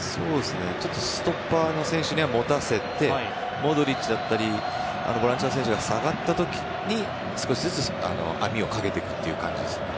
ちょっとストッパーの選手には持たせてモドリッチだったりボランチの選手が下がった時に少しずつ網をかけていくという感じですね。